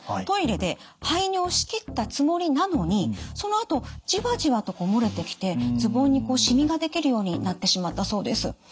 トイレで排尿し切ったつもりなのにそのあとじわじわと漏れてきてズボンに染みが出来るようになってしまったそうです。